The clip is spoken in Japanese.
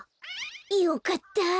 よかった。